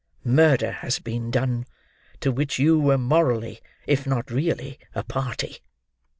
Murder has been done, to which you were morally if not really a party."